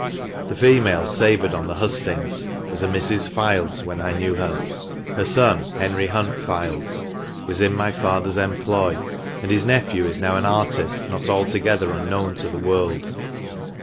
The female sabred on the hustings was a Mrs. Fildes when I knew her. Her son, Henry Hunt Fildes, was in my father's employ ; and his nephew is now an artist not altogether unknown to the world.